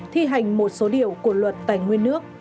thi hành một số điều của luật tài nguyên nước